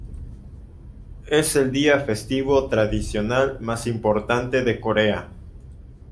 Es el día festivo tradicional más importante de Corea.